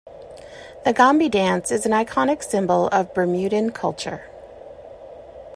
The "Gombey" dance is an iconic symbol of Bermudan culture.